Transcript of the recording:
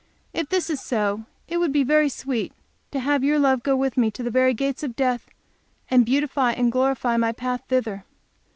If this is so, it would be very sweet to have your love go with me to the very gates of death, and beautify and glorify my path thither.